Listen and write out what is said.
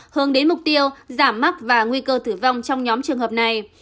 hướng đến mục tiêu giảm mắc và nguy cơ tử vong trong nhóm trường hợp này